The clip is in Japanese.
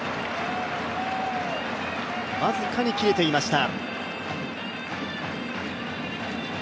僅かに切れていました。